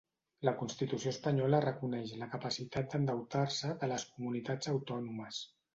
La Constitució espanyola reconeix la capacitat d'endeutar-se de les comunitats autònomes.